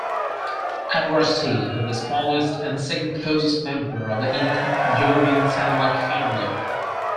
Adrastea is the smallest and second-closest member of the inner Jovian satellite family.